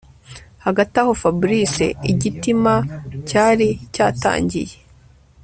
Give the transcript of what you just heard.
Hagati aho Fabric igitima cyari cyatangiye